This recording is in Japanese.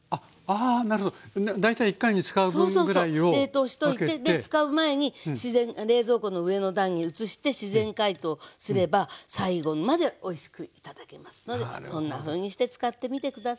冷凍しといて使う前に冷蔵庫の上の段に移して自然解凍すれば最後までおいしく頂けますのでそんなふうにして使ってみて下さい。